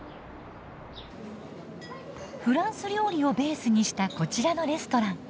フランス料理をベースにしたこちらのレストラン。